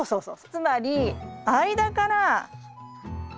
つまり間から。